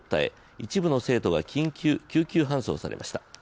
一部の生徒が緊急搬送されました。